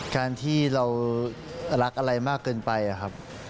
การที่เรารักอะไรมากเกินไปครับ